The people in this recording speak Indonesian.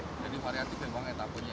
jadi variatif memang etapunya